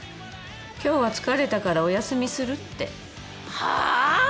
今日は疲れたからお休みするって。はあ？